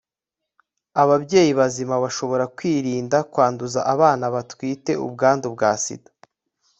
abayeyi bazima bashobora kwirinda kwanduza abana batwite ubwandu bwa sida